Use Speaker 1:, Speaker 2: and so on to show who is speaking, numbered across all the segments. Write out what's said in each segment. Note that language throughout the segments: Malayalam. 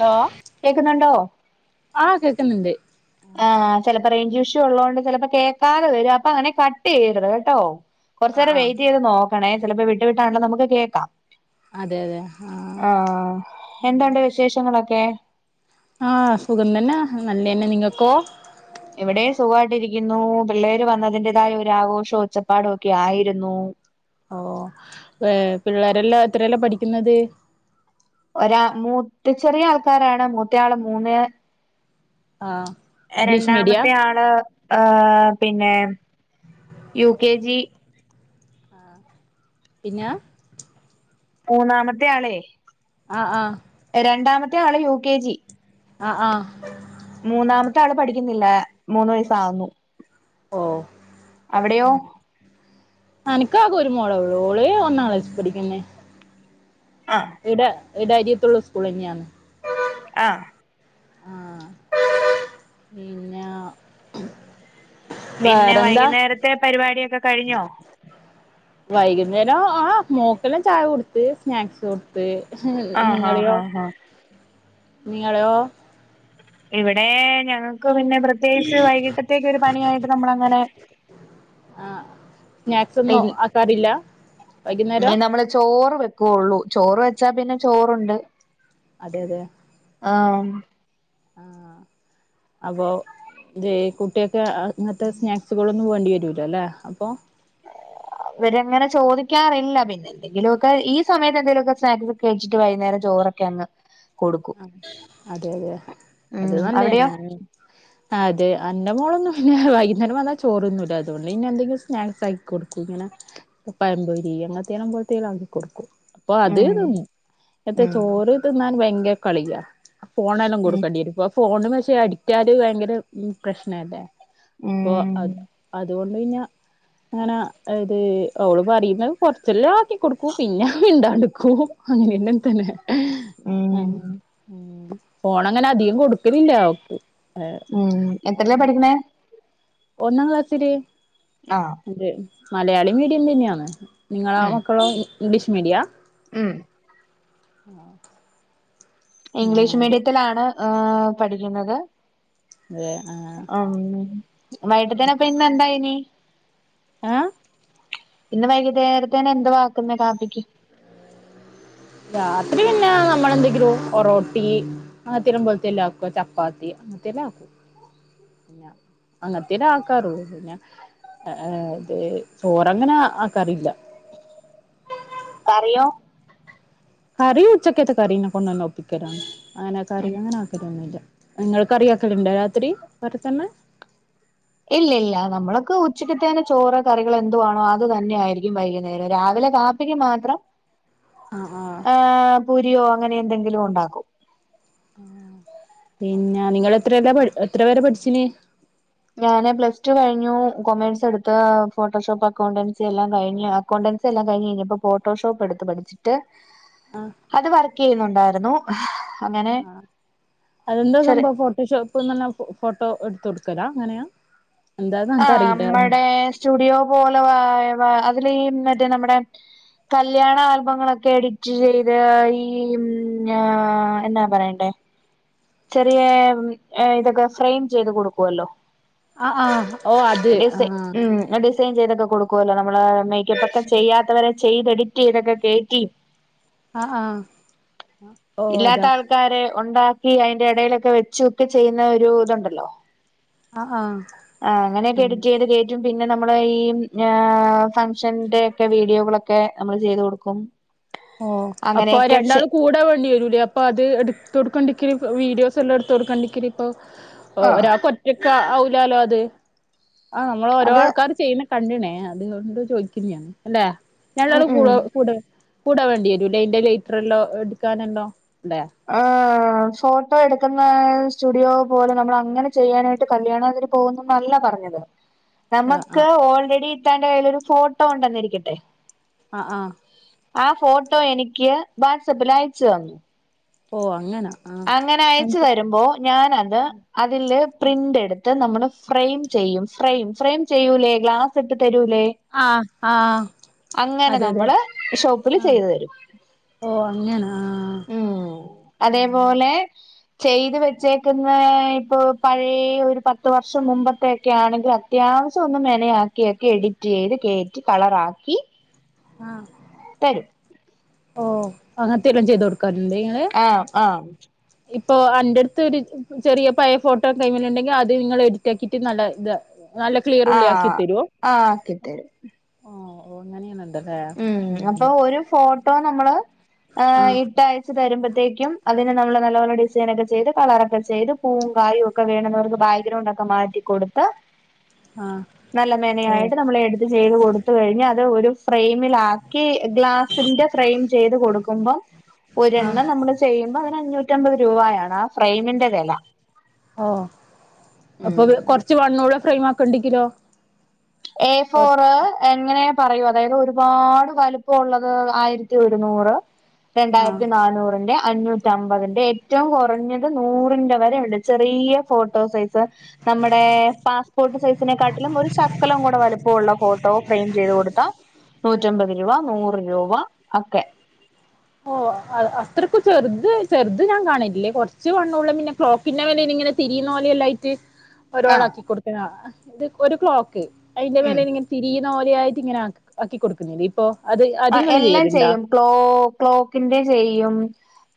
Speaker 1: ലോ
Speaker 2: കേക്കുന്നോണ്ടോ
Speaker 1: ആ കേക്ക്ന്ന്ണ്ട്
Speaker 2: ആ ചെലപ്പോ റേഞ്ച്യുഷു ഒള്ളതോണ്ട് ചെലപ്പോ കേക്കാതെ വരും അപ്പൊ അങ്ങനെ കട്ട് ചെയ്യരുത് കേട്ടോ കൊറച്ച്
Speaker 1: ആഹ്
Speaker 2: നേരം
Speaker 1: ആഹ്
Speaker 2: വെയിറ്റ് ചെയ്ത് നോക്കണേ ചെലപ്പോ വിട്ടു വിട്ടാണേലും നമ്മുക്ക് കേക്കാം
Speaker 1: അതെ അതെ ആഹ്
Speaker 2: ആ എന്തൊണ്ട് വിശേഷങ്ങളൊക്കെ
Speaker 1: ആ സുഖം തന്നെ നല്ലന്നെ നിങ്ങക്കോ
Speaker 2: എവിടെ സുഖമായിട്ടിരിക്കുന്നു പിള്ളേര് വന്നതിൻ്റെതായ ഒരു ആഘോഷം ഒച്ചപ്പാട ഒക്കെ ആയിരുന്നു
Speaker 1: ഓ ഏ പിള്ളേരെല്ലാം എത്രലപഠിക്കുന്നത്
Speaker 2: ഒരാ മൂത്ത ചെറിയ ആൾക്കാരാണ് മൂത്തയാള് മൂന്ന്
Speaker 1: ആഹ
Speaker 2: രണ്ടാമത്തെ ആള് പിന്നെ യു കെ ജി
Speaker 1: ആ പിന്നെ
Speaker 2: മൂന്നാമത്തെ ആളെയ്
Speaker 1: ആ ആ
Speaker 2: രണ്ടാമത്തെ ആള് യു കെ ജി
Speaker 1: ആ ആ
Speaker 2: മൂന്നാമത്തെ ആള് പഠിക്കുന്നില്ല മൂന്ന് വയസാവുന്നു
Speaker 1: ഓ
Speaker 2: അവിടെയോ
Speaker 1: അനക്ക് ആകെ ഒരു മോളെള്ളൂ ഓള് ഒന്നാം ക്ലാസ്സി പഠിക്കുന്നേ
Speaker 2: ആഹ്
Speaker 1: ഇട ഇട അരിയത്തുള്ള സ്കൂൾ തന്നെയാണ്
Speaker 2: ആ
Speaker 1: ആഹ പിന്ന
Speaker 2: പിന്നെ വൈകുന്നേരത്തെ പരിപാടിയൊക്കെ കഴിഞ്ഞോ
Speaker 1: വൈകുന്നേരം ആഹ മോക്കല്ലാം ചായ കൊടുത്ത് സ്നാക്സ് കൊടുക പേ ഉം
Speaker 2: ആഹ് ആഹ്
Speaker 1: നിങ്ങളെയോ
Speaker 2: ആഹ് ആഹ്
Speaker 1: നിങ്ങളയോ
Speaker 2: ഇവിടേ ഞങ്ങൾക്ക് പിന്നെ പ്ര പ്രത്യേകിച്ച് വൈകിട്ടത്തേക്ക ഒരു പണിയായിട്ട് നമ്മൾ അങ്ങനെ
Speaker 1: ആ സ്നാക്സ് ഒന്നും ആക്കാറില്ല വൈകുന്നേരം
Speaker 2: നമ്മള് ചോറ് വെ കോള്ളൂ. ചോറ് വെച്ചാ പിന്നെ ചോറ്ണ്ട്.
Speaker 1: അതെ അതെ ആഹ് അപ്പൊ ഇജ്ജെ കുട്ട്യേക്കെ അങ്ങത്തെ സ്നാക് സ്സ്കളൊന്നും വേണ്ടി വരൂല്ലല്ലേ അപ്പോം
Speaker 2: വര അങ്ങനെ ചോദിക്കാറില്ല പിന്നെ എന്തെിലുമൊക്കെ ഈ സമയത്ത് എന്തേലുമൊക്കെ സ്നാക്സ് കഴിച്ചിട്ട് വൈന്നേരം ചോറൊക്കെ അങ്ങ് കൊടുക്
Speaker 1: ആഹ് അതെ അതെ അത്
Speaker 2: ഉം അവിടെയോ
Speaker 1: നല്ലന്നെ ആണ്. അതെ അന്റെ മോളൊന്നും പിന്നെ വൈകിന്നേരം വന്നാൽ ചോറ് ന്നൂല്ല. അതുകൊണ്ട് ഇന്നെ എന്തെങ്കിലും സ്നാക്സ് ആക്കി കൊടുക്കു ഇങ്ങനെ പഴ മ്പൊരി അങ്ങൻ [unintelligible] ആക്കി കൊടുക്കും. അപ്പൊ അത്
Speaker 2: ഉം
Speaker 1: തിന്നും. എത്തെ
Speaker 2: ഉം
Speaker 1: ചോറ് തിന്നാൻ ഭയങ്കര കളിയാ. ഫോണെല്ലാം
Speaker 2: ഉം
Speaker 1: കൊടുക്കേണ്ടിയരും. ഇപ്പ ഫോണ് പക്ഷെ അഡിക്റ്റ് ആല് ഭയങ്കര പ്രശ്നല്ലേ. അപ്പൊ
Speaker 2: ഉം
Speaker 1: അത് അതുകൊണ്ട് ഞാ അങ്ങനെ ഇത് അവള് പറയുന്നത് കൊറച്ചെല്ലാം ആക്കി കൊടുക്കൂ. പിന്നാഹ് മിണ്ടാണ്ടുക്കും. അങ്ങനെ എല്ലാം തന്നെ
Speaker 2: ഉം
Speaker 1: ഉം ഫോണ അങ്ങനെ അധികം കൊടുക്കലില്ല അവക്ക്.
Speaker 2: ഉം എത്രേല്ലാ പഠിക്കണേ?
Speaker 1: ഒന്നാം ക്ലാസില്.
Speaker 2: ആഹ്
Speaker 1: ഇത് മലയാളി മീഡിയം തന്നെയാന്ന്. നിങ്ങളൊ
Speaker 2: ഉം
Speaker 1: മക്കളോ ഇംഗ്ലീഷ് മീഡിയ?
Speaker 2: ഉം
Speaker 1: ആഹ്
Speaker 2: ഇംഗ്ലീഷ് മീഡിയത്തിലാണ് ഏഹ് പഠിക്കുന്നത്.
Speaker 1: ഏഹ് ആഹ്
Speaker 2: ഉം വൈട്ടി തന്നെപ്പ ഇന്ന എന്തായിനി?
Speaker 1: ഏഹ്
Speaker 2: ഇന്ന് വൈകുന്നേരത്തേന് എന്തുവ ആക്കുന്ന കാപ്പിക്ക്?
Speaker 1: രാത്രി പിന്നെ നമ്മളെന്തെങ്കിലും ഒറോട്ടി ആത്തിലും പോലത്തെല്ലാം ആക്ക ചപ്പാത്തി [unintelligible] പിന്ന അങ്ങനത്ത ആക്കാരള്ളൂ പിന്ന [unintelligible] ചോറ അങ്ങന ആക്കാറിയില്ല.
Speaker 2: കറിയോ?
Speaker 1: കറി ഉച്ചക്കത്തെ കറീനെ കൊണ്ടന്നെ ഒപ്പിക്കരാണ്. അങ്ങനെ കറി
Speaker 2: ഉം
Speaker 1: അങ്ങനെ ആക്കലൊന്നും ഇല്ല. നിങ്ങൾ കറിയാക്കലുണ്ട് രാത്രി? ബെറത്തന്നെ
Speaker 2: ഇല്ലില്ല നമ്മളൊക്ക് ഉച്ചക്ക്ത്തേനെ ചോറ് കറികൾ എന്തുവാണോ അത് തന്നെയ ആയിരിക്കും വൈകുന്നേരം. രാവിലെ കാ ടിക്ക് മാത്രം
Speaker 1: ഉ
Speaker 2: ആഹ് പുരിയോ അങ്ങനെ എന്തെങ്കിലും ഉണ്ടാക്കും.
Speaker 1: പിന്ന നിങ്ങ എത്രേല പഠി എത്ര പേരെ പഠിച്ചിന്?
Speaker 2: ഞാാന് പ്ലസ് ടു കഴിഞ്ഞു. കൊമേഴ്സ് എടുത്ത ഫോട്ടോഷോപ്പ് അക്കൗണ്ടൻസി എല്ലാം കഴിഞ് ക്കൗണ്ടൻസി എല്ലാം കഴിഞഴ്ഞ്ഞപ്പോ ഫട്ടോഷോപ്പ് എടുത്ത് പഠിച്ചിട്ട്
Speaker 1: ആഹ്
Speaker 2: അത് വർക്ക് ചെയ്യുന്നുണ്ടായിരുന്നു. അങ്ങനെ
Speaker 1: ആഹ് അതെന്താ
Speaker 2: ചെറി
Speaker 1: സംഭവം ഫോട്ടോഷോപ്പ്ന്നല്ല ഫോട്ടോ എടുത്ത കൊടുക്കലാ. അങ്ങനെയ
Speaker 2: ആഹ് അമ്മടെ സ്റ്റുഡിയോ പോലെ വാ അതില് ഈ മറ്റെ നമ്മടെ കല്യാണ ആൽബങ്ങളൊക്കെ എഡിറ്റ് ചെയ്ത് ഈ എന്താ പറയണ്ടേ. ചെറിയ ഇതൊക്കെ ഫ്രൈം ചെയ്ത് കൊടുക്കുവല്ലോ.
Speaker 1: ആ ആഹ് ഓഹ് അത്
Speaker 2: ഡിസൈ
Speaker 1: ആഹ്
Speaker 2: ഉം ഡിസൈൻ ചെയ്തൊക്കെ കൊടുക്കല്ലോ നമ്മള് മേയ്ക്കപ്പ് ഒക്കെ ചെയ്യാത്തവരെ ചെയ്ത് എഡിറ്റ് ചെയ്തൊക്കെ കേയ്റ്റി
Speaker 1: ആഹ് ആഹ് ഓ
Speaker 2: ഇല്ലാത്ത
Speaker 1: അതാ
Speaker 2: ആൾക്കാര് ഉണ്ടാ ഈ അതിന്റെ ഇടയിലൊക്കെ വെച്ചു ത്തി ചെയ്യുന്ന ഒരു ഇതുണ്ടല്ലോ
Speaker 1: ആഹ് ആഹ്
Speaker 2: ആ അങ്ങനെയൊക്കെ എഡിറ്റ് ചെയ്ത് കേറ്റും പിന്നെ നമ്മള് ഈ ഏ ഫംഗ്ഷന്റെ ഒക്കെ വീഡിയോകളൊക്കെ നമ്മള് ചെയ്ത് കൊടുക്കും.
Speaker 1: ഓ അപ്പൊ
Speaker 2: അങ്ങനെയൊക്കെ ചെ
Speaker 1: രണ്ടാള് കൂടെ വേണ്ടി വരൂലേ അപ്പോ അത് എട്തൊട്ക്ക [unintelligible] വീഡിയോസ് എല്ലാം എടുത്ത് കൊടുക്കേ [unintelligible] ഇപ്പോ
Speaker 2: ആഹ്
Speaker 1: ഒരാൾക്കൊ ക്ക ഔലാലോ അത് ആഹ് നമ്മൾ ഓരോ
Speaker 2: അത്
Speaker 1: ആൾക്കാര് ചെയ്യുന്ന കണ്ട്ണേ അതുകൊണ്ട് ചോദിക്കുന്നയാണ് അല്ലേ
Speaker 2: ഉം
Speaker 1: ഞല്ലരു
Speaker 2: ഉം
Speaker 1: കുട കുട കുട വേണ്ടി വരൂല്ലെ അയ്ന്റെ ലൈറ്റർല്ലോ എടുക്കാനല്ലോല്ലേ.
Speaker 2: ആ ആ ഫോട്ടോ എടുക്കുന്ന സ്റ്റുഡിയോ പോലെ നമ്മള് അങ്ങനെ ചെയ്യാനായിട്ട് കല്ല്യാണത്തിന് പോകുന്നുന്നല്ല പറഞ്ഞത്.
Speaker 1: ആ ആ
Speaker 2: നമ്മക്ക് ഓൾറെഡി ഇത്താന്റെ കൈലൊരു ഫോട്ടോ ഉണ്ടെന്നിരിക്കട്ടെ
Speaker 1: ആ ആ
Speaker 2: ആ ഫോട്ടോ എനിക്ക് വാട്സപ്പിൽ അയച്ചു തന്നു.
Speaker 1: ഓ അങ്ങനാ
Speaker 2: അങ്ങനെ അയച്ചു തരുമ്പോ ഞാനത് അതില് പ്രിന്റ് എടുത്ത് നമ്മള് ഫ്രെയിം ചെയ്യും. ഫ്രെയിം ഫ്രെയിം ചെയ്യൂലെ ഗ്ലാസ് ഇട്ട് തരൂലേ.
Speaker 1: ആഹ് ആഹ്
Speaker 2: അങ്ങനെ നമ്മള് ഷോപ്പില് ചെയ്തു തരും.
Speaker 1: ഓ അങ്ങനാ
Speaker 2: ഉം അതേപോലെ ചെയ്ത് വെച്ചേക്കുന്ന ഇപ്പൊ പഴയ ഒരു പത്ത് വർഷം മുമ്പത്തെ ഒക്കെയാണെങ്കിൽ അ ത്യാവശ്യം ഒന്ന് മെനയാക്കിയക്കെ എഡിറ്റ് ചെയ്ത് കേറ്റി കളറാക്കി
Speaker 1: ആഹ്
Speaker 2: തരും
Speaker 1: ഓ അങ്ങനത്തെ എല്ലാം ചെയ്ത് കൊടുക്കാറുണ്ട്ങ്ങള്?
Speaker 2: ആഹ് ആഹ്
Speaker 1: ഇപ്പൊ അന്റെട്ത്ത് ഒര് ചെറിയ പഴയ ഫോട്ടോ കയ്യിലിണ്ടെങ്കിൽ അത് നിങ്ങള് എ ടിറ്റാക്കിയിട്ട് നല്ല ഇത നല്ല ക്ലിയർ ഉള്ളി ആക്കി
Speaker 2: ആഹ്
Speaker 1: തരുവോ
Speaker 2: ആക്കി തരും.
Speaker 1: ഓ ഓ അങ്ങനെയണ
Speaker 2: ഉം അപ്പൊ ഒരു ഫോട്ടോ നമ്മള് ഏ
Speaker 1: ആ
Speaker 2: ഇട്ട വച്ച് തരുമ്പോഴത്തേക്കും അതിന് നമ്മള് നല്ല നല്ല ഡിസൈനൊക്കെ ചെയ്ത് കളറൊക്കെ ചെയ്ത് പൂവും കായും ഒക്ക ക്കെ വേണുന്ന് പറയുമ്പ ബാക്ക്ഗ്രൗണ്ട് ഒക്കെ മാറ്റി കൊടുത്ത്
Speaker 1: ആ
Speaker 2: നല്ല
Speaker 1: ഓ
Speaker 2: മേനയായിട്ട് നമ്മള് എടുത്ത് ചെയ്ത് കൊടുത്ത കഴിഞ്ഞ അത് ഒരു ഫ്രെയിമിലാക്കി ഗ്ലാസിന്റെ ഫ്രെയിം ചെയ്ത് കൊടുക്കുമ്പം
Speaker 1: ആഹ്
Speaker 2: ഒരെണ്ണം നമ്മള് ചെയ്യുമ്പോ അതിന് അഞ്ഞൂറ്റമ്പത് രൂപയാണാ ആ ഫ്രെയിമിന്റെ വെല.
Speaker 1: ഓ അപ്പൊ പി
Speaker 2: ഉം
Speaker 1: കൊർച്ച് വണ്ണൂള്ള ഫ്രെയിം ആക്കണ്ടിങ്കിലോ?
Speaker 2: എ ഫോറ് എങ്ങനെ പറയൂ അതായത് ഒരുപാട് വലുപ്പള്ളത് ആയിരത്തി ഒരുനൂറ്
Speaker 1: [inaudible]
Speaker 2: രണ്ടായിരത്തി നാനൂറിന്റെ അഞ്ഞൂറ്റമ്പതിന്റെ ഏറ്റവും കുറഞ്ഞത് നൂറിന്റെ വരെ ഉണ്ട് ചെറിയ ഫോട്ടോ സൈസ്. നമ്മുടെ പാസ്പോർട്ട് സൈസിനെക്കാട്ടിലും ഒരു ശക്കലം കൂടെ വലുപ്പോള്ള ഫോട്ടോ ഫ്രെം ചെയ്ത് കൊടുത്ത നൂറ്റമ്പത് രൂപ, നൂറ് രൂപ ഒക്കെ.
Speaker 1: ഓ അത്രക്കും ചെറുത് ചെർത് ഞാൻ കാണൽല്ലേ കൊർച്ച് വണ്ണുള്ള പിന്നെ ക്ലോക്കിന്റെ വിലയിൽ ഇങ്ങനെ തിരിയുന്ന പോലെള്ള ലൈറ്റ്
Speaker 2: ആഹ്
Speaker 1: ഒരോളാക്കി കൊടുക്ക ഇത് ഒരു ക്ലോക്ക്, അതിന്റെ
Speaker 2: ഉം
Speaker 1: മേലേൽ ഇങ്ങ തിരിയുന്ന പോലെയായിട്ട ഇങ്ങനെ ആക്കി കൊടുക്കുന്നില്ലേ ഓ അത് അ
Speaker 2: ആ എല്ലാം ചെയ്യും ക്ലോ ക്ലോക്കിന്റെ ചെയ്യും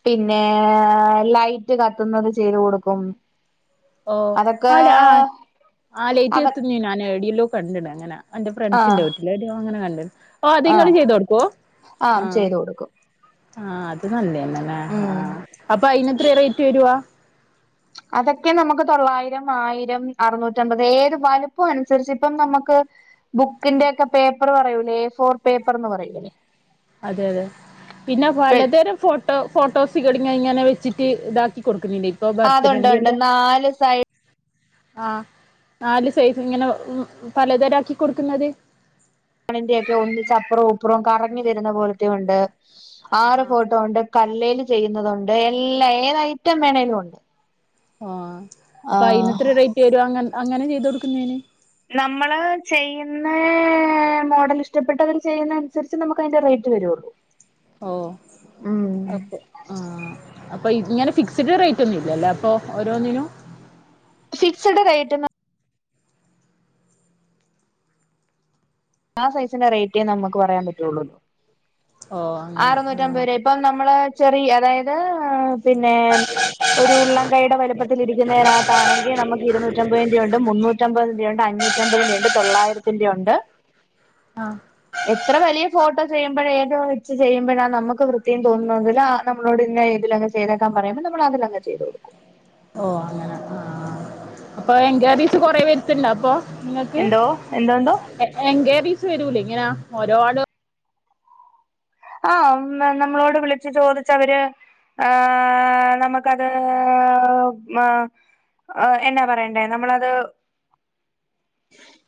Speaker 2: പിന്നെ ലൈറ്റ് കത്തുന്നത് ചെയ്ത് കൊടുക്കും
Speaker 1: ഓ
Speaker 2: അതൊക്കെ
Speaker 1: ആ ല ആ ആ ലേറ്റ്
Speaker 2: അത
Speaker 1: എത്തുന്നുു ഞാൻ ടിയല്ലോ കണ്ടിക്കണ് അങ്ങനെ എറെ
Speaker 2: ആഹ്
Speaker 1: ഫ്രണ്ട്സിന്റെ വീട്ടിലടോ അങ്ങനെ കണ്ടു ഓ അത്ങ്ങള്
Speaker 2: ആഹ്
Speaker 1: ചെയ്ത കൊൊടുക്കുവോ ആ
Speaker 2: ആഹ് ചെയ്ത് കൊടുക്കും
Speaker 1: ആഹ അത് നല്ല ന്നല്ലെ
Speaker 2: ഉം
Speaker 1: ആഹ അപ്പൊ അയിന് എത്ര റേറ്റ് വരുവാ
Speaker 2: അതൊക്കെ നമുക്ക് തൊള്ളായിരം ആയിരം അറുനൂറ്റമ്പത് ഏത് വലുപ്പം അനുസരിച്ച് ഇപ്പം നമുക്ക് ബുക്കിന്റെ ഒക്കെ പേപ്പർ പറയൂലേ എ ഫോർ പേപ്പർന്ന് പറയൂല്ലേ
Speaker 1: അതെ അതെ പിന്നെ ഫ
Speaker 2: വെൾ
Speaker 1: ലതരം ഫോട്ടോ ഫോട്ടോസ് കങ്ങ ഇങ്ങനെ വെച്ചിട്ട് ഇതാക്കി കൊടുക്കുന്നുണ്ട് ഇപ്പൊ ബർത്ത്ഡേണ്ട
Speaker 2: അതുണ്ട് ഉണ്ട്
Speaker 1: ല്ലേ
Speaker 2: നാല്
Speaker 1: ആ നാല് സൈസ് ഇങ്ങനെ [unintelligible] പലതരം ക്കി കൊടുക്കുന്നത്
Speaker 2: ണിന്റെറെ ഒക്കെ ഒന്നിച്ചപ്പുറവും ഇ പ്പുറവും കറങ്ങി തരുന്ന പോലത്ത ഉണ്ട്
Speaker 1: ആഹ്
Speaker 2: ആറ്
Speaker 1: ആഹ്
Speaker 2: ഫോട്ടോ ഉണ്ട് കല്ലേൽ ചെയ്യുന്നതുണ്ട് എല്ലാ ഏത ഐറ്റം വേണമേലും ഉണ്ട്
Speaker 1: ഓ അപ്പൊ അയിന്
Speaker 2: ആഹ്
Speaker 1: എത്ര റേറ്റ് വര അ അങ്ങനെ ചെയ്ത കൊടുക്കുന്നതിന്
Speaker 2: നമ്മള് ചെയ്യുന്ന മോഡൽ ഇഷ്ടപ്പെട്ടവർ ചെയ്യുന്ന അനുസരിച്ച് നമുക്ക് അതിന്റെ റേറ്റ് വരുള്ളൂ
Speaker 1: ഓ [unintelligible]
Speaker 2: ഉം
Speaker 1: ആ അപ്പൊ ഇങ്ങനെ ഫിക്സ്ഡ് റേറ്റ് ഒന്നും ഇല്ലല്ലേ അപ്പൊ ഓരോന്നിനും
Speaker 2: ഫിക്സ്ഡ് റൈറ്റ് എന്ന ആ സൈസിന്റെ റേറ്റേ നമുക്ക് പറയാൻ പറ്റുള്ളൂ
Speaker 1: ഉ [unintelligible]
Speaker 2: ആറുനൂറ്റമ്പരെ ഇപ്പം നമ്മള് ചെറിയ അതായത് പിന്നെ ഒരു ഉള്ളംകൈയുടെ വലിപ്പത്തില ഇരിക്കുന്നതിനകത്താണെങ്കിൽ നമുക്ക് ഇരുുന്നൂറ്റമ്പപതി രൂ ഉണ്ട് മുന്നൂറ്റമ്പത് ണ്ട് അഞ്ഞൂറ്റമ്പതിന്റെ ഉണ്ട് തൊള്ളായിരത്തിന്റെ ഉണ്ട് എത്ര വലിയ ഫോട്ടോ ചെയ്യുമ്പോഴ ഏത് വെച്ച് ചെയ്യുമ്പോഴാണ് നമുക്ക് വൃത്തിയും തോന്നുന്നതില് ആ നമ്മളോട് ഇന്ന ഏതിലെ ചെയ്താക്കാ പറയുമ്പോ നമ്മൾ അതിന് ചെയ് കൊടുക്കും
Speaker 1: ഓ അങ്ങന അപ്പൊ എൻക്വയറീസ് കൊറെ വരുത്തിണ്ട അപ്പൊ നിങ്ങക്ക്
Speaker 2: എന്തോ എന്തോ എന്തോ
Speaker 1: എങ്കേ റീസ് വരൂല ഇങ്ങനാ ട് [unintelligible]
Speaker 2: ആ [unintelligible] നമ്മളോട് വിളിച്ച് ചോദിച്ച അവര് ആഹ നമുക്കത് [unintelligible] ഓഹ് എന്നാ പറയണ്ടേ നമ്മളത്.